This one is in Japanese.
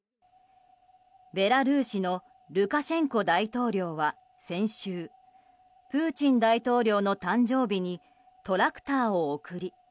ベラルーシのルカシェンコ大統領は先週、プーチン大統領の誕生日にトラクターを贈り